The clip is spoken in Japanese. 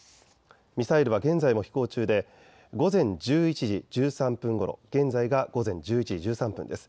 ミサイルは現在も飛行中で午前１１時１３分ごろ、現在が午前１１時１３分です。